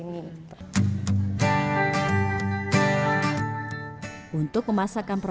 untuk memasakkan produknya rollover reaction juga sering menggunakan sosok media influencer untuk menarik perhatian pembeli